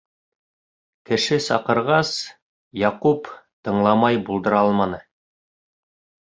Кеше саҡырғас, Яҡуп тыңламай булдыра алманы.